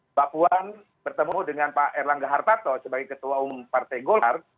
mbak puan bertemu dengan pak erlangga hartarto sebagai ketua umum partai golkar